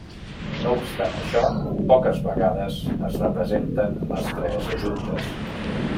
No obstant això, poques vegades es representen les tres juntes.